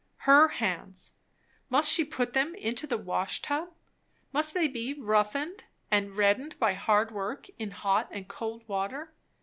Her hands. Must she put them into the wash tub? Must they be roughened and reddened by hard work in hot and cold water?